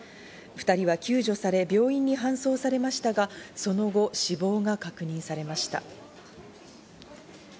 ２人は救助され、病院に搬送されましたが、その後死亡が確認されました。